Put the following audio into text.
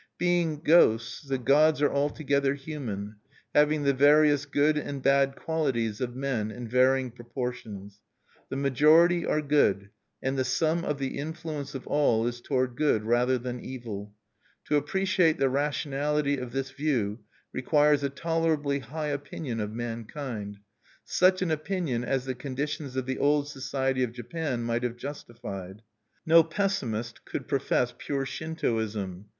Being ghosts, the gods are altogether human, having the various good and bad qualities of men in varying proportions. The majority are good, and the sum of the influence of all is toward good rather than evil. To appreciate the rationality of this view requires a tolerably high opinion of mankind, such an opinion as the conditions of the old society of Japan might have justified. No pessimist could profess pure Shintoism.